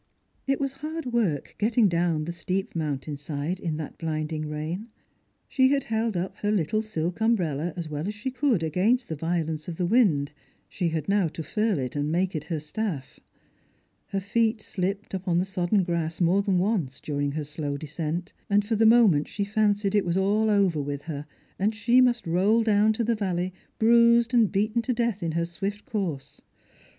It was hard work getting down the steep mountain side in that blinding rain. She had held up her little silk umbrella aa well as she could against the violence of the wind — she had now to furl it and make it her staff. Her feet slipped upon the sodden grass more than once during her slow descent, and for the moment she fancied it was all over with her, and she must roll down to the valley, bruised and beaten to death in her swift course.